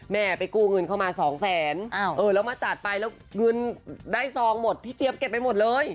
แม่ไปกู้เงินเข้ามาสองแสนแล้วมาจัดไปแล้วเงินได้ซองหมดพี่เจี๊ยบเก็บไปหมดเลย